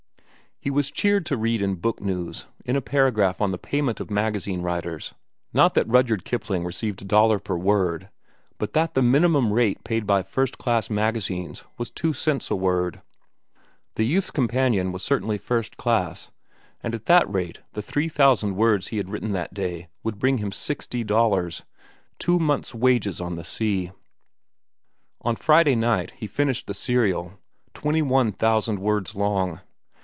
He was cheered to read in Book News, in a paragraph on the payment of magazine writers, not that Rudyard Kipling received a dollar per word, but that the minimum rate paid by first class magazines was two cents a word. The Youth's Companion was certainly first class, and at that rate the three thousand words he had written that day would bring him sixty dollars—two months' wages on the sea! On Friday night he finished the serial, twenty one thousand words long.